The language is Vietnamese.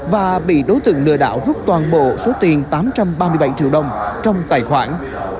và bị đối tượng lừa đảo rút toàn bộ số tiền tám trăm ba mươi bảy triệu đồng trong tài khoản